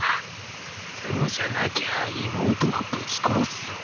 そうじゃなきゃ妹もぶち殺すぞ。